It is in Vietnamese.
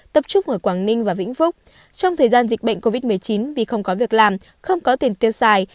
tập trung ở quảng ninh và vĩnh phúc trong thời gian dịch bệnh covid một mươi chín vì không có việc làm không có tiền tiêu xài